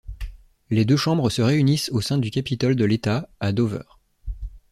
Les deux chambres se réunissent au sein du capitole de l'État, à Dover.